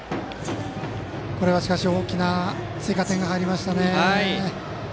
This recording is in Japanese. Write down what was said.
これは大きな追加点が入りましたね。